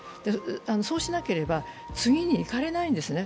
そうしなければ次に行かれないんですね。